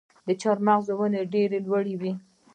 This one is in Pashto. د چهارمغز ونې ډیرې لوړې وي.